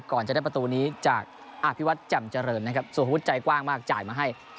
ก่อนจะได้ประตูนี้จากอภิวัตรแจ่มเจริญนะครับสุพุทธใจกว้างมากจ่ายมาให้